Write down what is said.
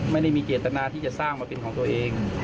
ไม่ได้มีเจตนาที่จะสร้างมาเป็นของตัวเอง